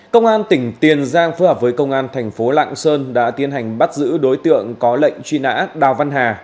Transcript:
công an tỉnh tiền giang phối hợp với công an thành phố lạng sơn đã tiến hành bắt giữ đối tượng có lệnh truy nã đào văn hà